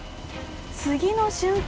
次の瞬間